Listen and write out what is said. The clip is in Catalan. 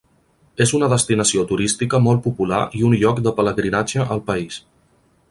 És una destinació turística molt popular i un lloc de pelegrinatge al país.